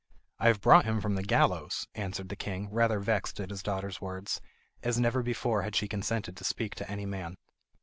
"I have brought him from the gallows," answered the king; rather vexed at his daughter's words, as never before had she consented to speak to any man.